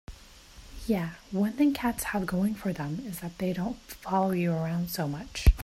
Yeah, one thing cats have going for them is that they don't follow you around so much.